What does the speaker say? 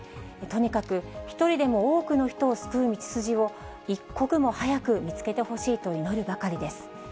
とにかく、一人でも多くの人を救う道筋を一刻も早く見つけてほしいと祈るばかりです。